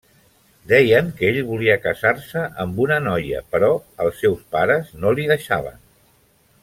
Deien que ell volia casar-se amb una noia però els seus pares no li deixaven.